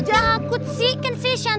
masuk tepung rachel